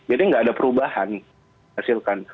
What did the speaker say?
jadi nggak ada perubahan